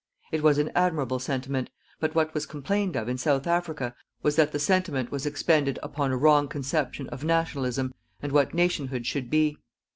It was an admirable sentiment, but what was complained of in South Africa was that the sentiment was expended upon a wrong conception of "nationalism" and what nationhood should be.